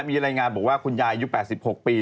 มีรายงานบอกว่าคุณยายอายุ๘๖ปี